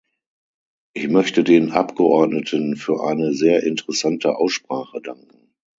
Ich möchte den Abgeordneten für eine sehr interessante Aussprache danken.